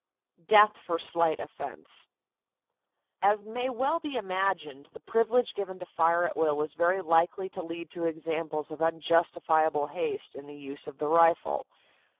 DEATH FOR SLIGHT OFFENSE. As may well be imagined, the privilege given to fire at will was very likely to lead to examples of unjustifiable haste in the use of the rifle.